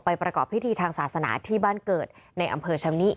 ประกอบพิธีทางศาสนาที่บ้านเกิดในอำเภอชำนิ